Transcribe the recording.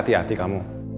maaf pambahan tikau